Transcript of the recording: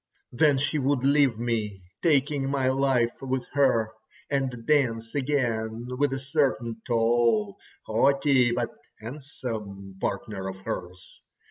Then she would leave me, taking my life with her, and dance again with a certain tall, haughty, but handsome partner of hers.